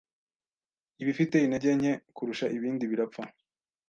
ibifite intege nke kurusha ibindi birapfa.